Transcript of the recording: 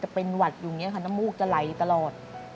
เป็นหวัดอยู่อย่างนี้ค่ะน้ำมูกจะไหลตลอด